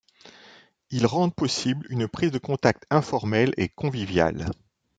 Ils rendent possible une prise de contact informelle et conviviale.